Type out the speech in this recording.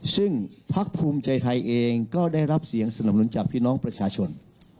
ซึ่งพักภูมิใจไทยเองก็ได้รับเสียงสนับหนุนจากพี่น้องประชาชน